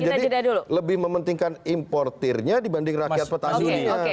jadi lebih mementingkan importernya dibanding rakyat petani dunia